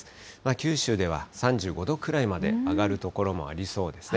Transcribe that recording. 九州では３５度くらいまで上がる所もありそうですね。